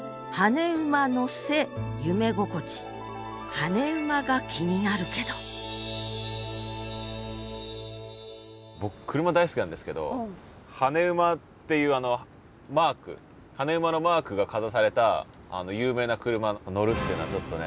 「跳ね馬」が気になるけど僕車大好きなんですけど跳ね馬っていうあのマーク跳ね馬のマークがかざされた有名な車に乗るっていうのはちょっとね